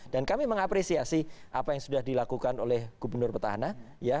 dan kami mengapresiasi apa yang sudah dilakukan oleh gubernur petahana ya